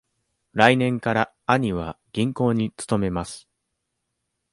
来年から兄は銀行に勤めます。